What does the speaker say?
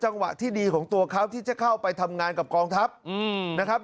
จังหวะที่ดีของตัวเขาที่จะเข้าไปทำงานกับกองทัพนะครับ